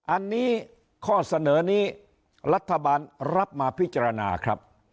อันนี้ข้อเสนอนี้รัฐบาลรับมาพิจารณาครับ